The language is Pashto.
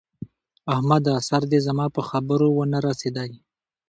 احمده! سر دې زما په خبره و نه رسېدی!